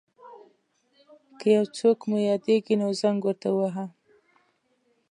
که یو څوک مو یاديږي نو زنګ ورته وواهه.